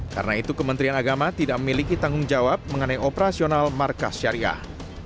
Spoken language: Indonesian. karena itu kementerian agama tidak memiliki tanggung jawab mengenai operasional markas syariah